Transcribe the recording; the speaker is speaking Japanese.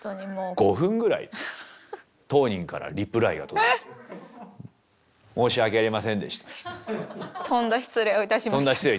５分ぐらい当人からリプライが届いて「申し訳ありませんでした」。「とんだ失礼を」。